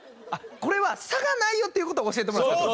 これは差がないよっていう事を教えてもらってたんですか？